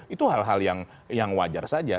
itu hal hal yang wajar saja